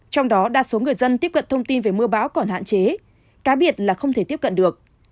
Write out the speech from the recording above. trong đó đa số người dân tiếp cận thông tin về mưa bão còn hạn chế cá biệt là không thể tiếp cận được